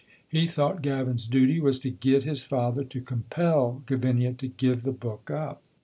He thought Gavin's duty was to get his father to compel Gavinia to give the book up.